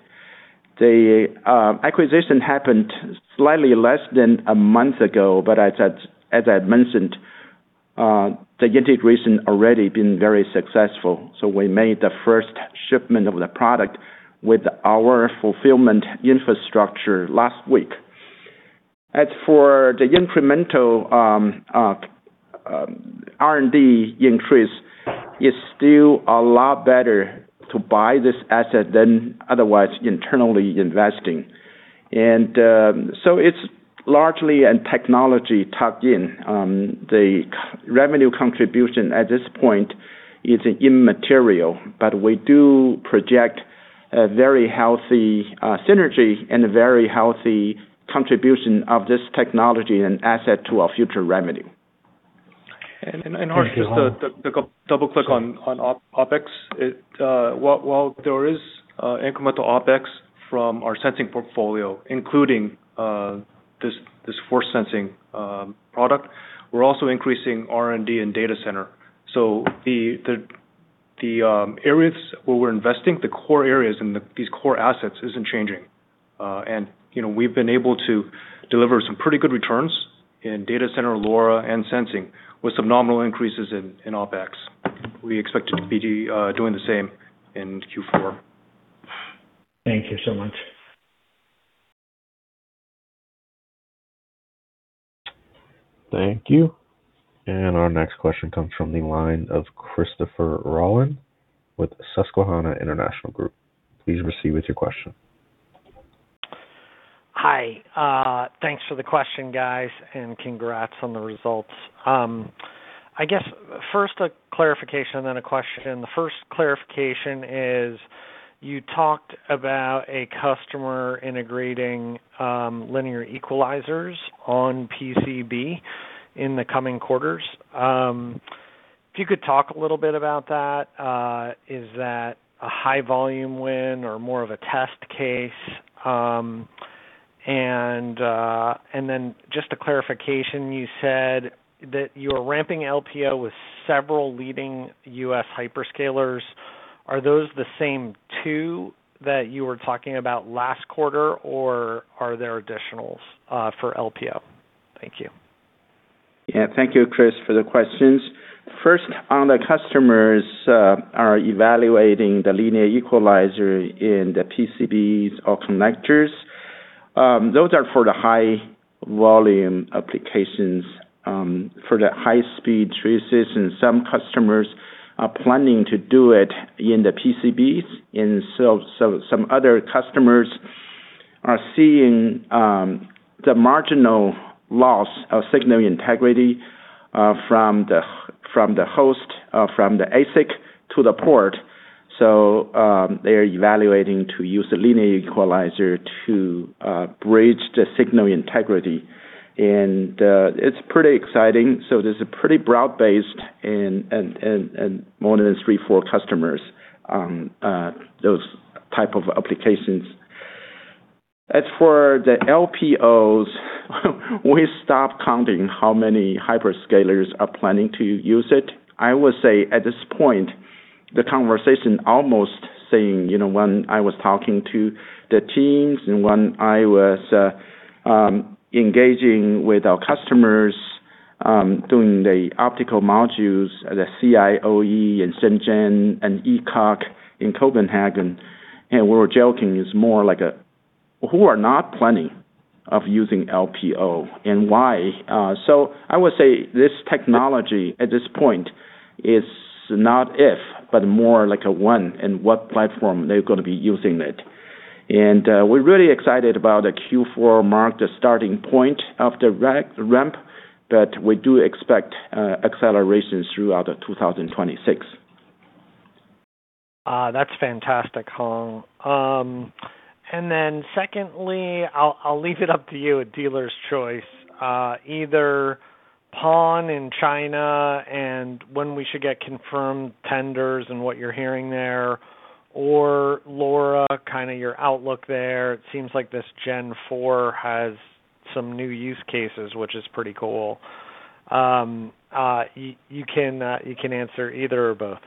The acquisition happened slightly less than a month ago, but as I mentioned, the integration has already been very successful. We made the first shipment of the product with our fulfillment infrastructure last week. As for the incremental R&D increase, it's still a lot better to buy this asset than otherwise internally investing. It is largely a technology tuck-in. The revenue contribution at this point is immaterial, but we do project a very healthy synergy and a very healthy contribution of this technology and asset to our future revenue. Harsh, just to double-click on OpEx, while there is incremental OpEx from our sensing portfolio, including this force sensing product, we are also increasing R&D in data center. The areas where we are investing, the core areas in these core assets, are not changing. We have been able to deliver some pretty good returns in data center, LoRa, and sensing with some nominal increases in OpEx. We expect to be doing the same in Q4. Thank you so much. Thank you. Our next question comes from the line of Christopher Rolland with Susquehanna International Group. Please proceed with your question. Hi. Thanks for the question, guys, and congrats on the results. I guess first a clarification and then a question. The first clarification is you talked about a customer integrating linear equalizers on PCB in the coming quarters. If you could talk a little bit about that, is that a high-volume win or more of a test case? And then just a clarification, you said that you are ramping LPO with several leading U.S. hyperscalers. Are those the same two that you were talking about last quarter, or are there additionals for LPO? Thank you. Yeah. Thank you, Chris, for the questions. First, on the customers are evaluating the linear equalizer in the PCBs or connectors. Those are for the high-volume applications for the high-speed traces. Some customers are planning to do it in the PCBs. Some other customers are seeing the marginal loss of signal integrity from the host, from the ASIC to the port. They are evaluating to use a linear equalizer to bridge the signal integrity. It is pretty exciting. This is pretty broad-based and more than three, four customers, those type of applications. As for the LPOs, we stopped counting how many hyperscalers are planning to use it. I would say at this point, the conversation almost saying when I was talking to the teams and when I was engaging with our customers doing the optical modules at the CIOE in Shenzhen and ECOC in Copenhagen, and we were joking it is more like a who are not planning of using LPO and why. I would say this technology at this point is not if, but more like a when and what platform they're going to be using it. We're really excited about the Q4 marked the starting point of the ramp, but we do expect accelerations throughout 2026. That's fantastic, Hong. Secondly, I'll leave it up to you, a dealer's choice. Either Pawn in China and when we should get confirmed tenders and what you're hearing there, or LoRa, kind of your outlook there. It seems like this Gen 4 has some new use cases, which is pretty cool. You can answer either or both.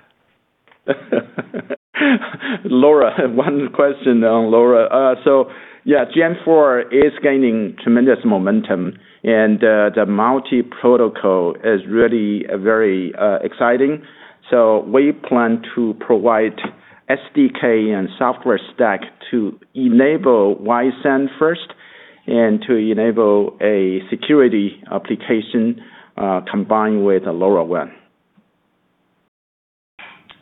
LoRa, one question on LoRa. Gen 4 is gaining tremendous momentum, and the multi-protocol is really very exciting. We plan to provide SDK and software stack to enable YSAN first and to enable a security application combined with a LoRaWAN.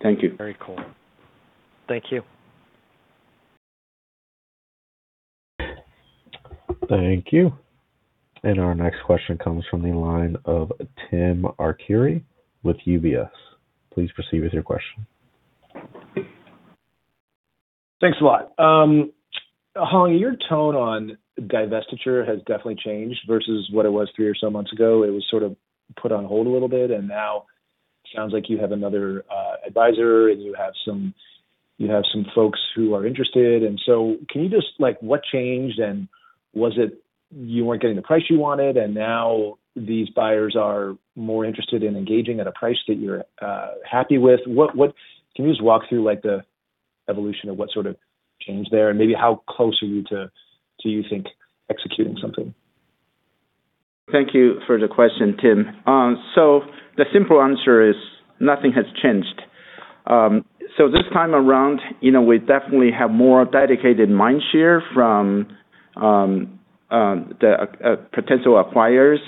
Thank you. Very cool. Thank you. Thank you. Our next question comes from the line of Tim Arcuri with UBS. Please proceed with your question. Thanks a lot. Hong, your tone on divestiture has definitely changed versus what it was three or so months ago. It was sort of put on hold a little bit. Now it sounds like you have another advisor and you have some folks who are interested. Can you just what changed and was it you were not getting the price you wanted and now these buyers are more interested in engaging at a price that you are happy with? Can you just walk through the evolution of what sort of change there and maybe how close are you to, do you think, executing something? Thank you for the question, Tim. The simple answer is nothing has changed. This time around, we definitely have more dedicated mindshare from the potential acquirers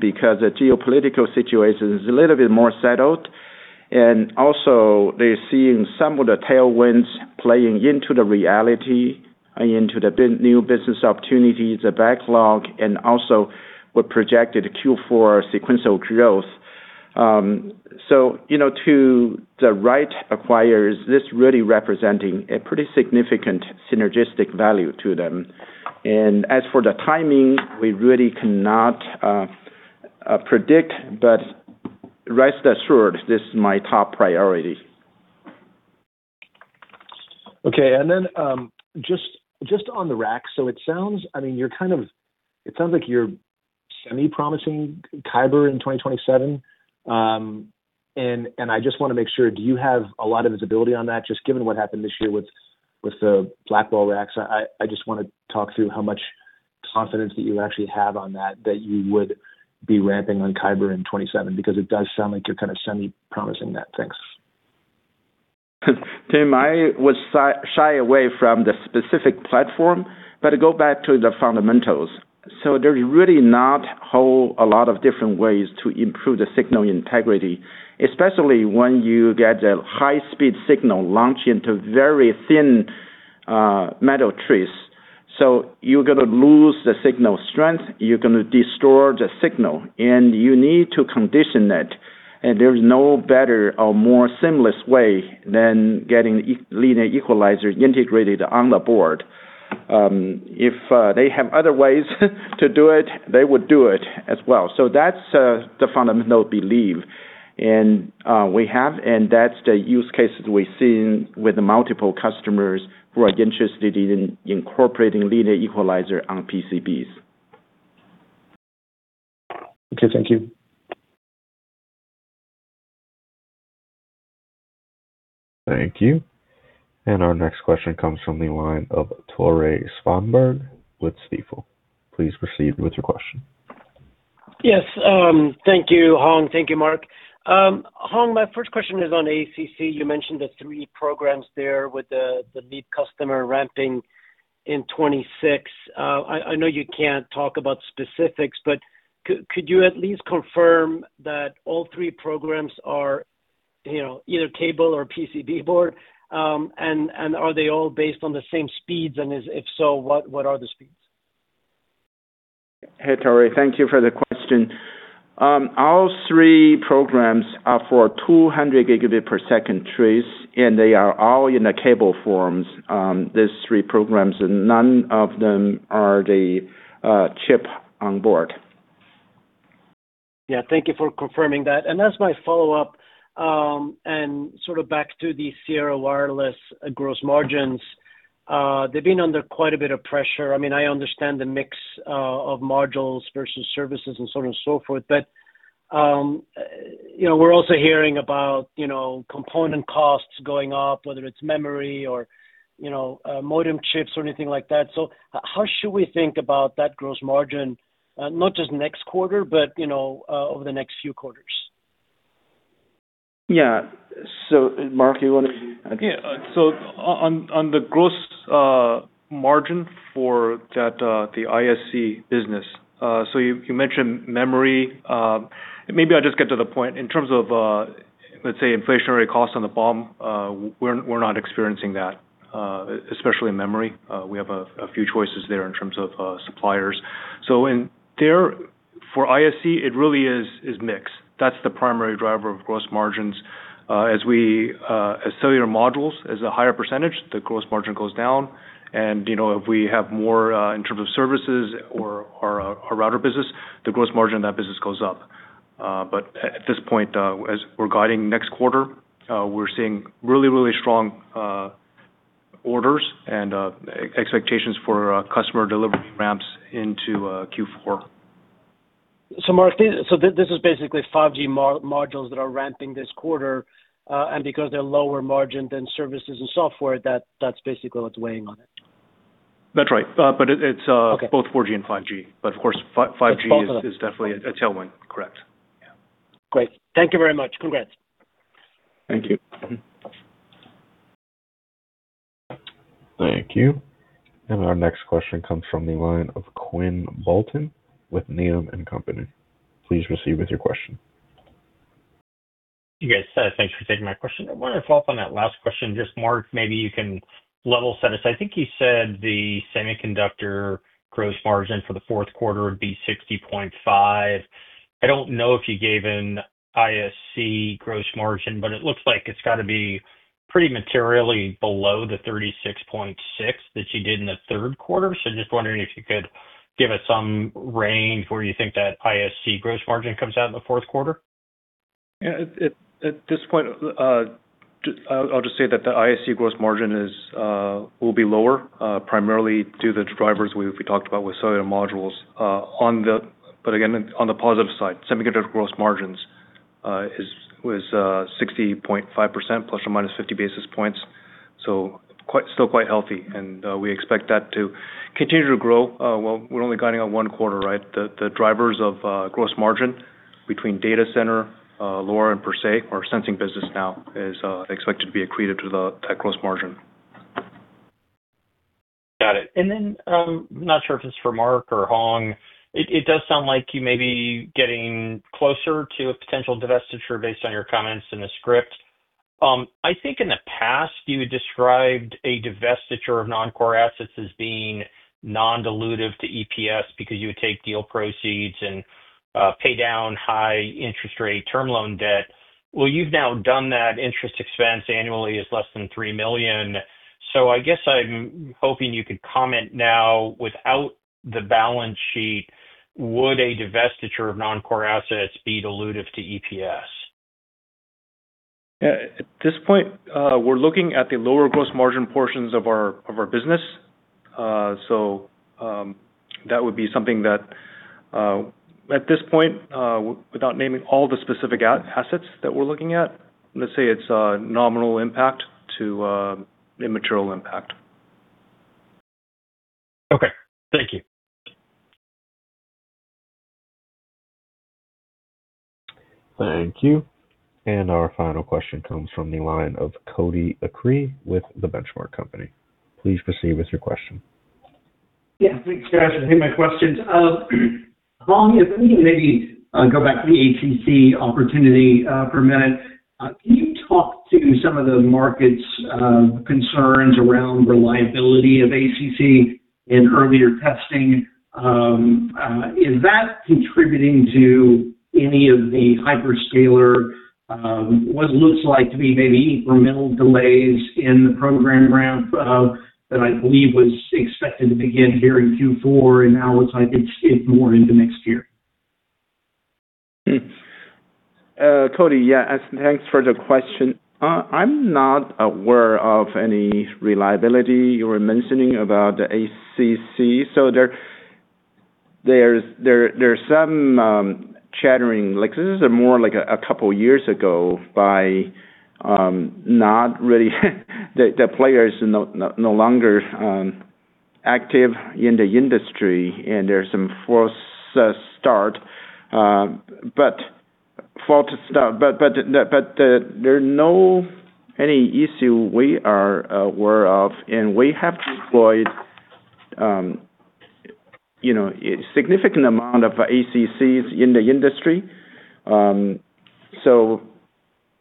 because the geopolitical situation is a little bit more settled. Also, they're seeing some of the tailwinds playing into the reality and into the new business opportunities, the backlog, and also what projected Q4 sequential growth. To the right acquirers, this really represents a pretty significant synergistic value to them. As for the timing, we really cannot predict, but rest assured, this is my top priority. Okay. Just on the racks, it sounds, I mean, you're kind of, it sounds like you're semi-promising Kyber in 2027. I just want to make sure, do you have a lot of visibility on that? Just given what happened this year with the Blackwell racks, I just want to talk through how much confidence that you actually have on that, that you would be ramping on Kyber in 2027 because it does sound like you're kind of semi-promising that. Thanks. Tim, I would shy away from the specific platform, but go back to the fundamentals. There is really not a whole lot of different ways to improve the signal integrity, especially when you get a high-speed signal launched into very thin metal trace. You are going to lose the signal strength, you are going to distort the signal, and you need to condition it. There is no better or more seamless way than getting linear equalizer integrated on the board. If they have other ways to do it, they would do it as well. That's the fundamental belief we have, and that's the use cases we've seen with multiple customers who are interested in incorporating linear equalizer on PCBs. Thank you. Thank you. Our next question comes from the line of Tore Svanberg with Stifel. Please proceed with your question. Yes. Thank you, Hong. Thank you, Mark. Hong, my first question is on ACC. You mentioned the three programs there with the lead customer ramping in 2026. I know you can't talk about specifics, but could you at least confirm that all three programs are either cable or PCB board? Are they all based on the same speeds? If so, what are the speeds? Hey, Tore. Thank you for the question. All three programs are for 200 Gbps trace, and they are all in the cable forms, these three programs, and none of them are the chip on board. Yeah. Thank you for confirming that. As my follow-up and sort of back to the Sierra Wireless gross margins, they've been under quite a bit of pressure. I mean, I understand the mix of modules versus services and so on and so forth, but we're also hearing about component costs going up, whether it's memory or modem chips or anything like that. How should we think about that gross margin, not just next quarter, but over the next few quarters? Yeah. Mark, you want to? Yeah. On the gross margin for the ISC business, you mentioned memory. Maybe I'll just get to the point. In terms of, let's say, inflationary costs on the BOM, we're not experiencing that, especially memory. We have a few choices there in terms of suppliers. For ISC, it really is mixed. That's the primary driver of gross margins. As cellular modules, as a higher percentage, the gross margin goes down. If we have more in terms of services or our router business, the gross margin of that business goes up. At this point, as we're guiding next quarter, we're seeing really, really strong orders and expectations for customer delivery ramps into Q4. Mark, this is basically 5G modules that are ramping this quarter. Because they're lower margin than services and software, that's basically what's weighing on it. That's right. It's both 4G and 5G. Of course, 5G is definitely a tailwind. Correct. Yeah. Great. Thank you very much. Congrats. Thank you. Thank you. Our next question comes from the line of Quinn Bolton with Needham & Company. Please proceed with your question. Hey, guys. Thanks for taking my question. I want to follow up on that last question. Just Mark, maybe you can level set us. I think you said the semiconductor gross margin for the fourth quarter would be 60.5%. I do not know if you gave an ISC gross margin, but it looks like it has got to be pretty materially below the 36.6% that you did in the third quarter. Just wondering if you could give us some range where you think that ISC gross margin comes out in the fourth quarter. Yeah. At this point, I will just say that the ISC gross margin will be lower primarily due to the drivers we talked about with cellular modules. Again, on the positive side, semiconductor gross margins was 60.5%, ±50 basis points. So still quite healthy. And we expect that to continue to grow. We're only guiding on one quarter, right? The drivers of gross margin between data center, LoRa, and PerSe, or sensing business now is expected to be accretive to that gross margin. Got it. And then I'm not sure if it's for Mark or Hong. It does sound like you may be getting closer to a potential divestiture based on your comments in the script. I think in the past, you described a divestiture of non-core assets as being non-dilutive to EPS because you would take deal proceeds and pay down high-interest rate term loan debt. You've now done that. Interest expense annually is less than $3 million. I guess I'm hoping you could comment now without the balance sheet, would a divestiture of non-core assets be dilutive to EPS? At this point, we're looking at the lower gross margin portions of our business. That would be something that at this point, without naming all the specific assets that we're looking at, let's say it's nominal impact to immaterial impact. Okay. Thank you. Thank you. Our final question comes from the line of Cody Acree with The Benchmark Company. Please proceed with your question. Yeah. Thanks, Josh. I think my question's Hong, if we can maybe go back to the ACC opportunity for a minute. Can you talk to some of the market's concerns around reliability of ACC and earlier testing? Is that contributing to any of the hyperscaler what it looks like to be maybe incremental delays in the program ramp that I believe was expected to begin here in Q4, and now it's like it's more into next year? Cody, yeah. Thanks for the question. I'm not aware of any reliability you were mentioning about the ACC. There's some chattering. This is more like a couple of years ago by not really the players are no longer active in the industry, and there's some false start. There are no any issue we are aware of, and we have deployed a significant amount of ACCs in the industry.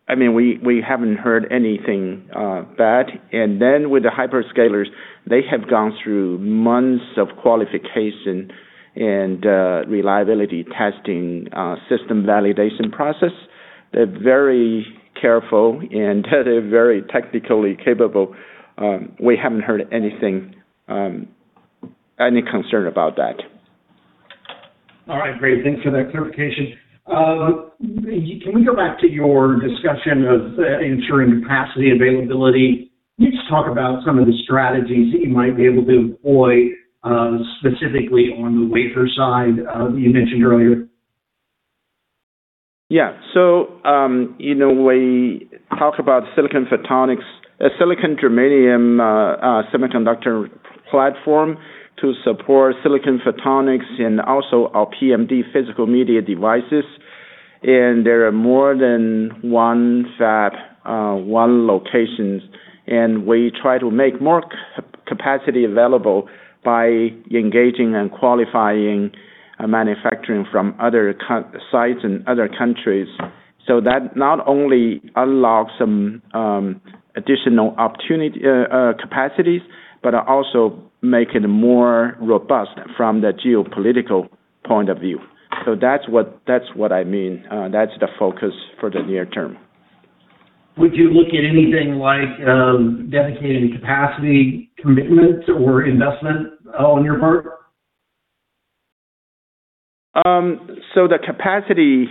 I mean, we haven't heard anything bad. With the hyperscalers, they have gone through months of qualification and reliability testing, system validation process. They're very careful, and they're very technically capable. We haven't heard any concern about that. All right. Great. Thanks for that clarification. Can we go back to your discussion of ensuring capacity availability? Can you just talk about some of the strategies that you might be able to employ specifically on the wafer side you mentioned earlier? Yeah. We talk about silicon photonics, a silicon germanium semiconductor platform to support silicon photonics and also our PMD physical media devices. There are more than one fab, one locations, and we try to make more capacity available by engaging and qualifying manufacturing from other sites and other countries. That not only unlocks some additional capacities, but also makes it more robust from the geopolitical point of view. That is what I mean. That is the focus for the near term. Would you look at anything like dedicated capacity commitments or investment on your part? The capacity,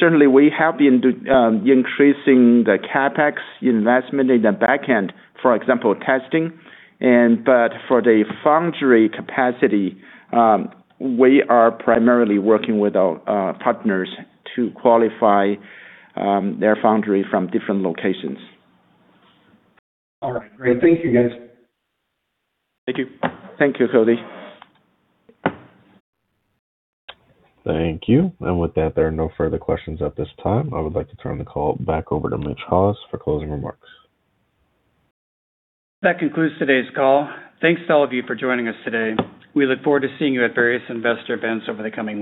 certainly we have been increasing the CapEx investment in the backend, for example, testing. For the foundry capacity, we are primarily working with our partners to qualify their foundry from different locations. All right. Great. Thank you, guys. Thank you. Thank you, Cody. Thank you. With that, there are no further questions at this time. I would like to turn the call back over to Mitch Haws for closing remarks. That concludes today's call. Thanks to all of you for joining us today. We look forward to seeing you at various investor events over the coming.